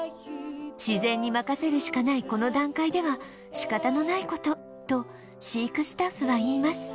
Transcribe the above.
自然に任せるしかないこの段階では仕方のない事と飼育スタッフは言います